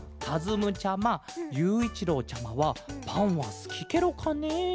むちゃまゆういちろうちゃまはパンはすきケロかね？